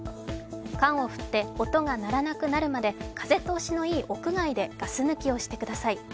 缶を振って音が鳴らなくなるまで風通しのいい屋外でガス抜きをしてください。